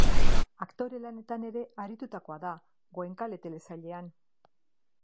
Aktore lanetan ere aritutakoa da Goenkale telesailean.